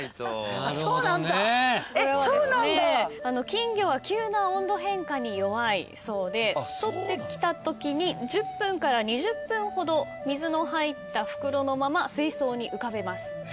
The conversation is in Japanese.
金魚は急な温度変化に弱いそうでとってきたときに１０分から２０分ほど水の入った袋のまま水槽に浮かべます。